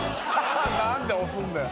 何で押すんだよ？